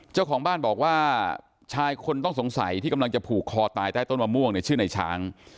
เจ้าของบ้านบอกว่าชายคนต้องสงสัยที่กำลังจะผูกคอตายใต้ต้นมะม่วงเนี่ยชื่อในช้าง